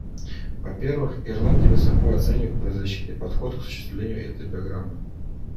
Во-первых, Ирландия высоко оценивает правозащитный подход к осуществлению этой Программы.